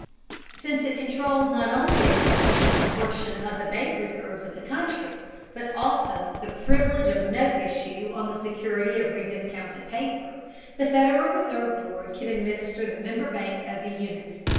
Since it controls not only a substantial proportion of the bank reserves of the country, but also the privilege of note issue on the security of rediscounted paper, the Federal Reserve Board can administer the member banks as a unit.